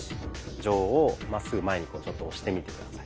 杖をまっすぐ前にちょっと押してみて下さい。